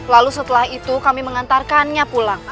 lalu setelah itu kami mengantarkannya pulang